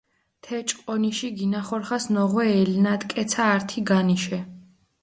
თე ჭყონიში გინახორხას ნოღვე ელნატკეცა ართი განიშე.